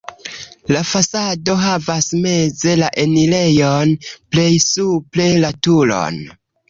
La fasado havas meze la enirejon, plej supre la turon.